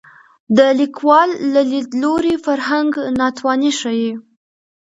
د لیکوال له لید لوري فرهنګ ناتواني ښيي